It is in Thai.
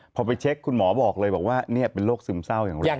พอไปเช็คคุณหมอบอกเลยบอกว่านี่เป็นโรคซึมเศร้าอย่างแรก